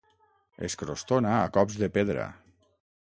Escrostona a cops de pedra.